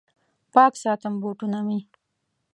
پاک ساتم بوټونه مې